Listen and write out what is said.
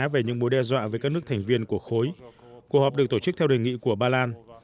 về những mối đe dọa với các nước thành viên của khối cuộc họp được tổ chức theo đề nghị của ba lan